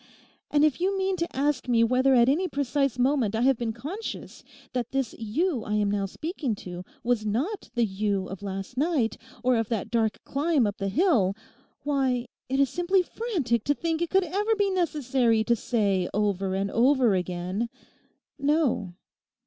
And if you mean to ask me whether at any precise moment I have been conscious that this you I am now speaking to was not the you of last night, or of that dark climb up the hill, why, it is simply frantic to think it could ever be necessary to say over and over again, No.